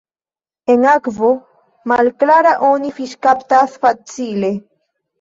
En akvo malklara oni fiŝkaptas facile.